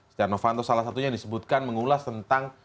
stiano fanto salah satunya disebutkan mengulas tentang